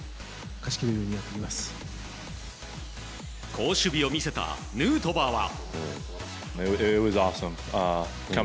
好守備を見せたヌートバーは。